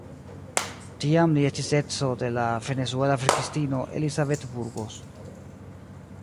Tiam li estis edzo de la venezuela verkistino Elizabeth Burgos.